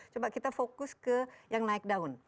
coba kita fokus ke yang naik daun